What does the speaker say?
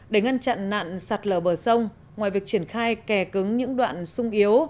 để ngăn chặn nạn sạt lở bờ sông ngoài việc triển khai kè cứng những đoạn sung yếu